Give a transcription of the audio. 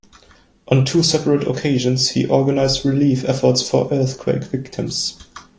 On two separate occasions he organized relief efforts for earthquake victims.